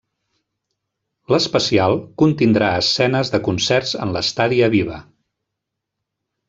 L'especial contindrà escenes de concerts en l'Estadi Aviva.